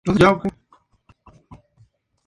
No se describen.